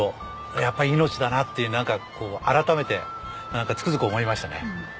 やっぱり命だなってなんかこう改めてつくづく思いましたね。